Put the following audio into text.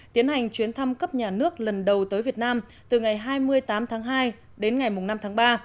tiến hành chuyến thăm cấp nhà nước lần đầu tới việt nam từ ngày hai mươi tám tháng hai đến ngày năm tháng ba